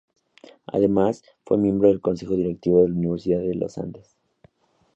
Además, fue miembro del Consejo Directivo de la Universidad de Los Andes.